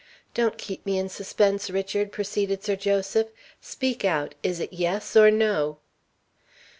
"Don't keep me in suspense, Richard," proceeded Sir Joseph. "Speak out. Is it yes or no?"